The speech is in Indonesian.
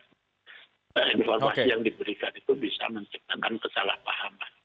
informasi yang diberikan itu bisa menciptakan kesalahpahaman